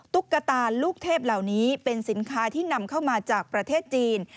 ตุ๊กตาลูกเทพเหล่านี้เป็นสินค้าที่นำเข้ามาจากประเทศจีน